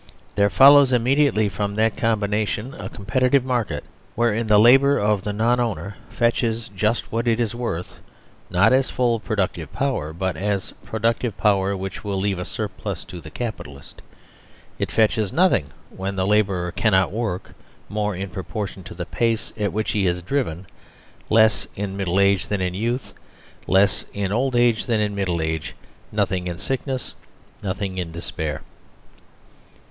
There follows immediately from that combination a competitive market wherein the labour of the non owner fetches just what it is worth, not as full productive power, but as productive power which will leave a surplus to the Capitalist. It fetches nothing when the labourer cannot work, more in proportion to the pace at which he is driven ; less in middle age than in youth ; less in old age than in middle age; nothing in sickness ; nothing in despair.